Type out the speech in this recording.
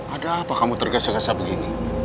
ada apa kamu tergesa gesa begini